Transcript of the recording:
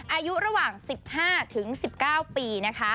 อายุระหว่าง๑๕๑๙ปีนะคะ